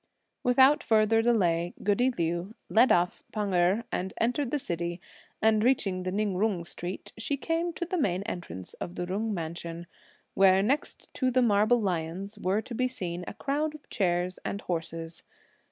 Without further delay, goody Liu led off Pan Erh, and entered the city, and reaching the Ning Jung street, she came to the main entrance of the Jung mansion, where, next to the marble lions, were to be seen a crowd of chairs and horses.